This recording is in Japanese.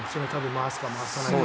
回すか、回さないか。